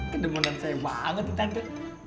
kedemuan saya banget nih tante